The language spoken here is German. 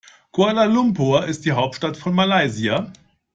Kuala Lumpur ist die Hauptstadt von Malaysia.